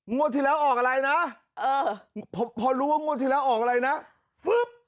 งวดที่แล้วออกอะไรนะพอรู้ว่างวดที่แล้วออกอะไรนะฟึ๊บ